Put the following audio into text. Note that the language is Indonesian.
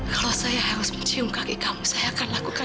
kalau saya harus mencium kaki kamu saya akan lakukan